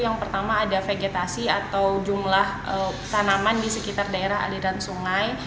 yang pertama ada vegetasi atau jumlah tanaman di sekitar daerah aliran sungai